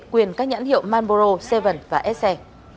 quyền các nhãn hiệu manboro bảy và se